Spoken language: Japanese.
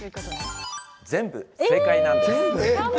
全部、正解なんです。